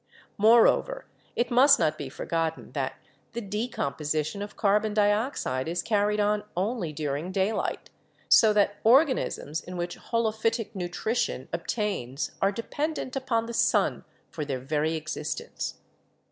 "Moreover, it must not be forgotten that the decomposi tion of carbon dioxide is carried on only during daylight, so that organisms in which holophytic nutrition obtains are dependent upon the sun for their very existence.